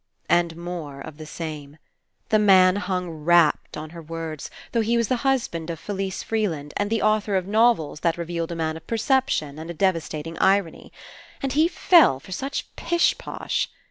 ..." And more of the same. The man hung rapt on her words, though he was the husband of Felise 170 FINALE Freeland, and the author of novels that re vealed a man of perception and a devastating irony. And he fell for such pish posh